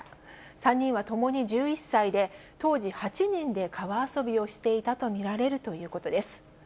３人はともに１１歳で、当時、８人で川遊びをしていたと見られるということです。